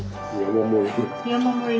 山盛り。